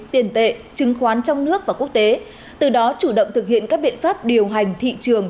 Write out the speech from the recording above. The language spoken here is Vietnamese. tiền tệ chứng khoán trong nước và quốc tế từ đó chủ động thực hiện các biện pháp điều hành thị trường